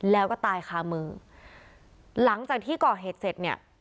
แล้วก็ตายคามือหลังจากที่ก่อเหตุเสร็จเนี่ย